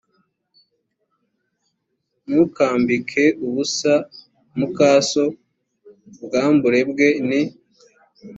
ntukambike ubusa muka so ubwambure bwe ni